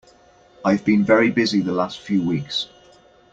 I've been very busy the last few weeks.